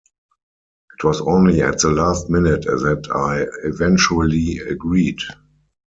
It was only at the last minute that I eventually agreed.